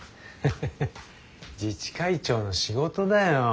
ヘヘヘ自治会長の仕事だよ。